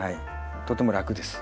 とても楽です。